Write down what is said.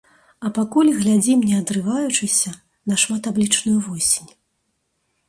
А пакуль глядзім не адрываючыся на шматаблічную восень.